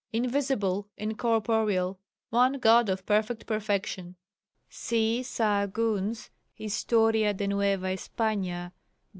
invisible, incorporeal, one God of perfect perfection" (see Sahagun's Historia de Nueva Espâna, lib.